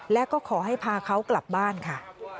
และก็ขอให้พาเขากลับบ้านค่ะ